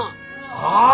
ああ！